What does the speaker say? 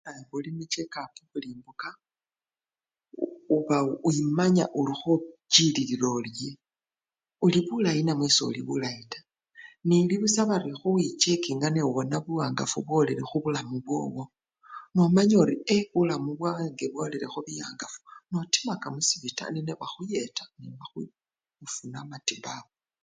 Nga wakholele chekapu bulimbuka, wimanya olikhochililila orye, olibulayi namwe solibulayi taa, nelibusa bali khowichekinga nonyola buwangafu buli khumubili kwowo, nomanya oli ee! bulamu bwange bwolelekho buyangafu notimaka musipitali no! nebakhuyeta nebakhu! ofuna matibabu.